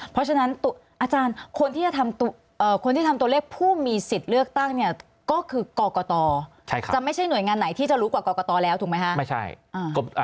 เพราะฉะนั้นอาจารย์คนที่จะคนที่ทำตัวเลขผู้มีสิทธิ์เลือกตั้งเนี่ยก็คือกรกตจะไม่ใช่หน่วยงานไหนที่จะรู้กว่ากรกตแล้วถูกไหมคะ